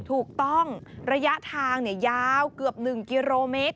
ถูกต้องระยะทางเนี่ยยาวเกือบหนึ่งกิโลเมตร